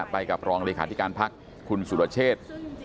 ไปกับดรองหลีคาธิการภักรมคุณสูตรเชษ